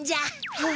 はあ。